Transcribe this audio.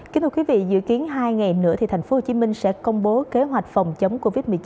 kính thưa quý vị dự kiến hai ngày nữa thành phố hồ chí minh sẽ công bố kế hoạch phòng chống covid một mươi chín